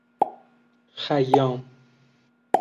خیام